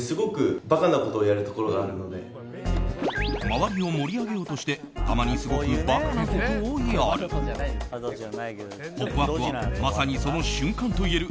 周りを盛り上げようとしてたまに、すごく馬鹿なことをやる。